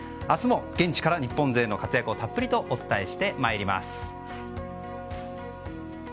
明日も現地から日本勢の活躍をたっぷりとお伝えしてまいります。